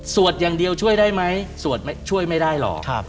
อย่างเดียวช่วยได้ไหมสวดช่วยไม่ได้หรอก